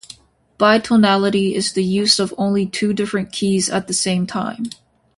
Bitonality is the use of only two different keys at the same time.